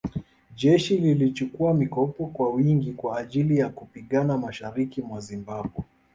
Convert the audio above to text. Jeshi lilichukua mikopo kwa wingi kwa ajili ya kupigana mashariki mwa Zimbabwe